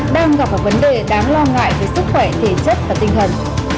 đang gặp một vấn đề đáng lo ngại về sức khỏe thể chất và tinh thần